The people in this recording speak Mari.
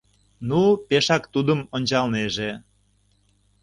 Ну, пешак тудым ончалнеже.